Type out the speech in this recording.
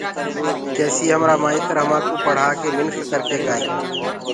ڪيسي همرآ مآئتر همآنٚڪو پڙهآڪي منک ڪرڪي گآئينٚ